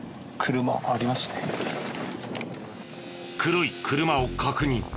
黒い車を確認。